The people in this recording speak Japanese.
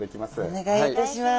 お願いいたします。